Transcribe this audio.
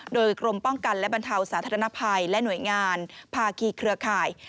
โดยกรมป้องกันและบรรเทาสาธารณภัยและหน่วยงานภาคีเครือข่าย